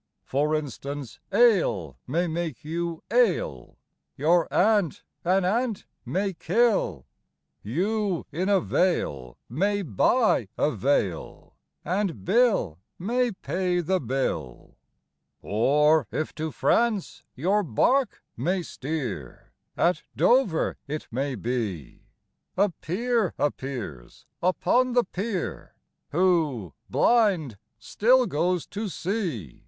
For instance, ale may make you ail, your aunt an ant may kill, You in a vale may buy a veil and Bill may pay the bill. Or, if to France your bark may steer, at Dover it may be, A peer appears upon the pier, who, blind, still goes to sea.